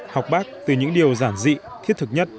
học bác từ những điều giản dị thiết thực nhất